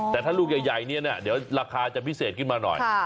แต่ถ้าลูกใหญ่เนี่ยนะเดี๋ยวราคาจะพิเศษขึ้นมาหน่อย